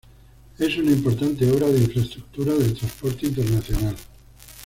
Es una importante obra de infraestructura del transporte internacional.